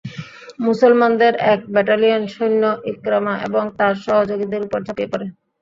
মুসলমানদের এক ব্যাটালিয়ন সৈন্য ইকরামা এবং তার সহযোগীদের উপর ঝাঁপিয়ে পড়ে।